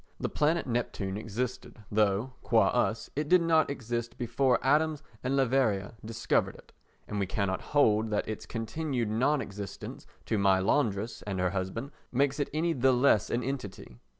The planet Neptune existed though, qua us, it did not exist before Adams and Leverrier discovered it, and we cannot hold that its continued non existence to my laundress and her husband makes it any the less an entity.